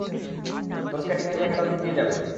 তোর স্কেটিংয়ের জায়গাটার ওদিক দিয়ে যাবে।